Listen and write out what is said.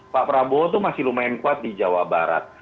pak prabowo itu masih lumayan kuat di jawa barat